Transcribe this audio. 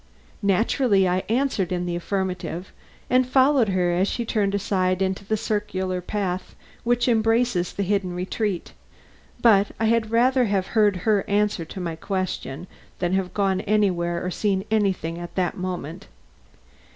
Naturally I answered in the affirmative and followed her as she turned aside into the circular path which embraces this hidden retreat; but I had rather have heard her answer to my question, than to have gone anywhere or seen anything at that moment.